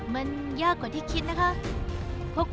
มันยากกว่าที่คิดนะคะ